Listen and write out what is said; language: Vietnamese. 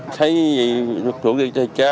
thấy được thuộc đi tài trá